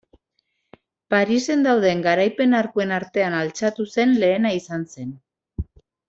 Parisen dauden garaipen arkuen artean altxatu zen lehena izan zen.